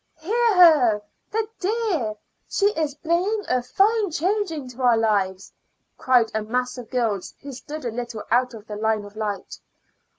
"Hear her, the dear! She is bringing a fine change into our lives, cried a mass of girls who stood a little out of the line of light.